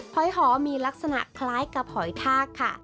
หอยหอมีลักษณะคล้ายกับหอยทากค่ะ